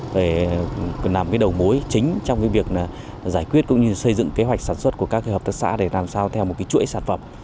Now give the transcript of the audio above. về cần làm cái đầu mối chính trong cái việc giải quyết cũng như xây dựng kế hoạch sản xuất của các hợp tác xã để làm sao theo một cái chuỗi sản phẩm